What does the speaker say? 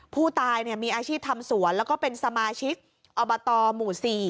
ผู้ตายมีอาชีพทำสวนแล้วก็เป็นสมาชิกอบตหมู่๔